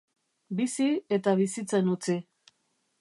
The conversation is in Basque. Bizi eta bizitzen utzi.